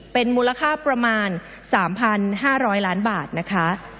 เป็นมูลค่าประมาณ๓๕๐๐ล้านบาทนะคะ